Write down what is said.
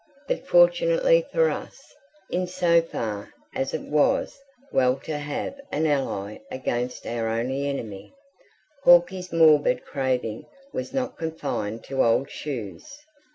But fortunately for us, in so far as it was well to have an ally against our only enemy, Hawkie's morbid craving was not confined to old shoes.